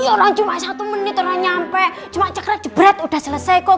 orang cuma satu menit orang nyampe cuma cekrat jebret udah selesai kok